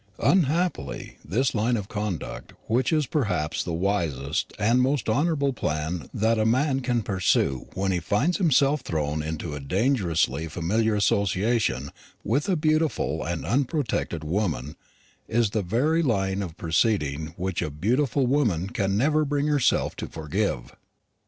Unhappily this line of conduct, which is perhaps the wisest and most honourable plan that a man can pursue when he finds himself thrown into a dangerously familiar association with a beautiful and unprotected woman, is the very line of proceeding which a beautiful woman can never bring herself to forgive.